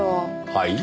はい？